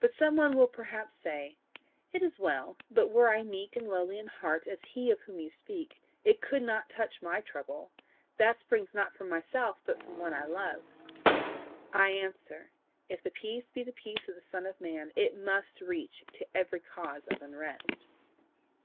"But some one will perhaps say: 'It is well; but were I meek and lowly in heart as he of whom you speak, it could not touch MY trouble: that springs not from myself, but from one I love.' I answer, if the peace be the peace of the Son of man, it must reach to every cause of unrest.